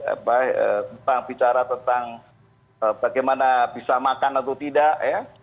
apa tentang bicara tentang bagaimana bisa makan atau tidak ya